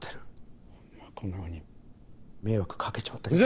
こんなふうに迷惑かけちまったけど。